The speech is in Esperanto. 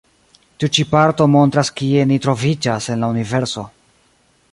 Tiu ĉi parto montras kie ni troviĝas en la Universo.